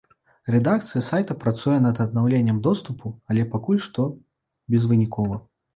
Рэдакцыя сайта працуе над аднаўленнем доступу, але пакуль што безвынікова.